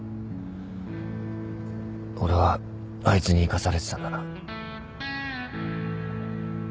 俺はあいつに生かされてたんだな。